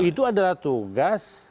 itu adalah tugas